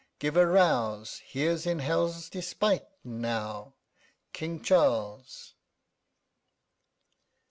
_ Give a rouse; here's, in hell's despite now, _King Charles!